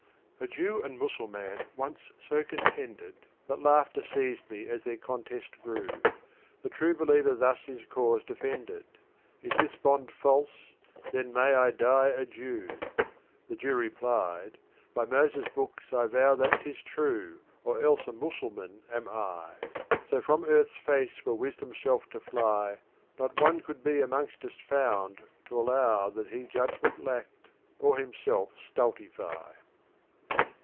A Jew and Mussulman once so contended That laughter seized me as their contest grew. The true believer thus his cause defended :'' Is this bond &dse, then may I die a Jew !" The Jew replied :" By Moses' books I vow that Tis true, or else a Mussulman am 11 " So from earth's face were Wisdom's self to fly. Not one could be amongst us found t' allow that He judgment lacked, or himself stultify.